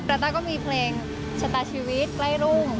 ลาต๊าก็มีเพลงชะตาชวิตไร้รุ่ง